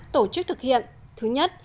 bốn tổ chức thực hiện